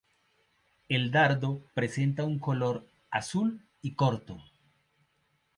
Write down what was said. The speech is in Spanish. El dardo presenta un color azul y corto.